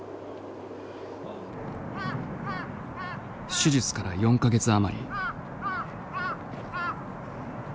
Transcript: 手術から４か月余り。